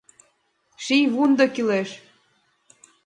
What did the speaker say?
Шийвундо кӱлеш.